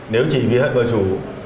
nếu chỉ vì hại vợ chủ